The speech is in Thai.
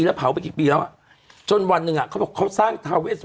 แล้วที่เด็กยัง๕๐๐๐ศพ